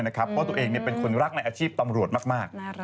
เพราะตัวเองเป็นคนรักในอาชีพตำรวจมาก